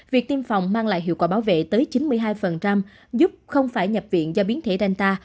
việc tiêm phòng mang lại hiệu quả bảo vệ tới chín mươi hai giúp không phải nhập viện do biến thể danta